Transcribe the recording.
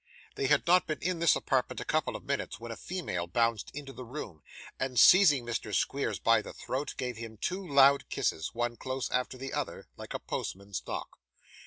They had not been in this apartment a couple of minutes, when a female bounced into the room, and, seizing Mr. Squeers by the throat, gave him two loud kisses: one close after the other, like a postman's knock.